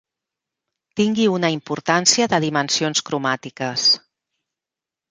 Tingui una importància de dimensions cromàtiques.